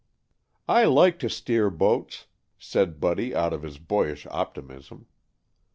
"I like to steer boats," said Buddy out of his boyish optimism.